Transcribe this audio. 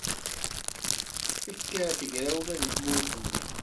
Tekker tegrawla deg tmurt-nni.